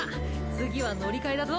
次は乗り換えだぞ。